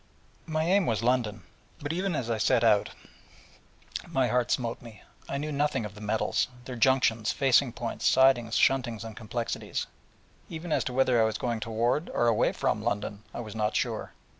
My aim was London. But even as I set out, my heart smote me: I knew nothing of the metals, their junctions, facing points, sidings, shuntings, and complexities. Even as to whether I was going toward, or away from, London, I was not sure.